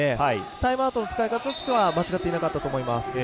タイムアウトの使い方としては間違ってなかったと思います。